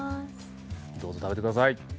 どうぞ食べてください。